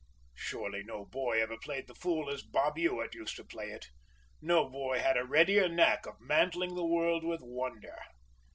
Surely no boy ever played the fool as Bob Ewart used to play it, no boy had a readier knack of mantling the world with wonder.